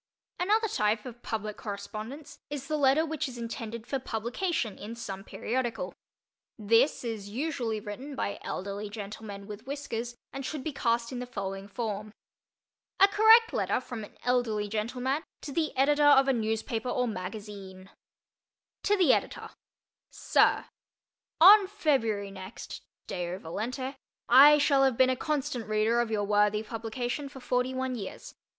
Another type of public correspondence is the letter which is intended for publication in some periodical. This is usually written by elderly gentlemen with whiskers and should be cast in the following form: A Correct Letter from an Elderly Gentleman to the Editor of a Newspaper or Magazine To the Editor: SIR: On February next, Deo volente, I shall have been a constant reader of your worthy publication for forty one years.